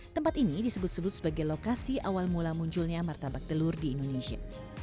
tempat ini disebut sebut sebagai lokasi awal mula munculnya martabak telur di indonesia